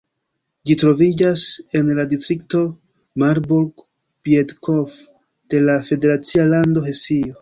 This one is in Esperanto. Ĝi troviĝas en la distrikto Marburg-Biedenkopf de la federacia lando Hesio.